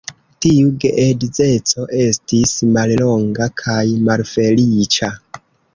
Tiu geedzeco estis mallonga kaj malfeliĉa.